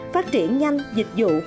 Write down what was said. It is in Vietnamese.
phát triển nhanh dịch vụ